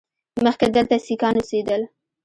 مخکې دلته سیکان اوسېدل